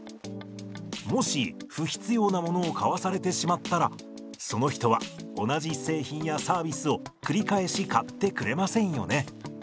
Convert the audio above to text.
もし不必要なものを買わされてしまったらその人は同じ製品やサービスを繰り返し買ってくれませんよね。